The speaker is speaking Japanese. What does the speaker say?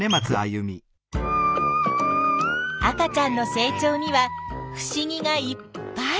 赤ちゃんの成長にはふしぎがいっぱい。